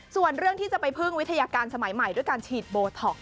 ส่วนเรื่องที่จะไปพึ่งวิทยาการสมัยใหม่ด้วยการฉีดโบท็อกซ